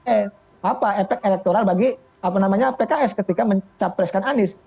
eh apa efek elektoral bagi pks ketika mencapreskan anies